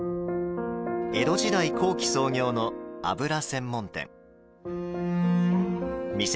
江戸時代後期創業の油専門店。